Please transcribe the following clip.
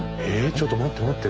ちょっと待って待って。